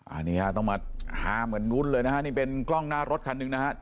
อันนี้ครับต้องมาห้ามกัดนู้นเลยนะฮะนี่เป็นกล้องหน้ารถคันนึงนะฮะ